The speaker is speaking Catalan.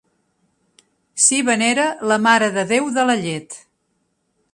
S'hi venera la Mare de Déu de la llet.